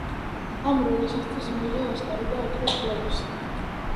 ამ როლისათვის მიიღო ოსკარი და ოქროს გლობუსი.